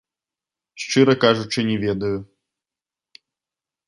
Шчыра кажучы, не ведаю.